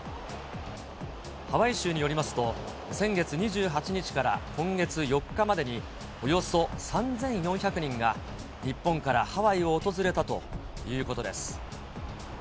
ハワイ州によりますと、先月２８日から今月４日までに、およそ３４００人が、日本からハワイを訪れたということです。